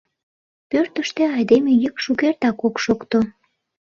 Пӧртыштӧ айдеме йӱк шукертак ок шокто.